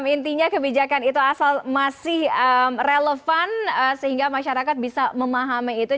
intinya kebijakan itu asal masih relevan sehingga masyarakat bisa memahami itu